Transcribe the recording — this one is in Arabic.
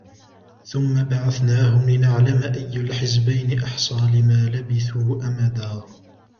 ثُمَّ بَعَثْنَاهُمْ لِنَعْلَمَ أَيُّ الْحِزْبَيْنِ أَحْصَى لِمَا لَبِثُوا أَمَدًا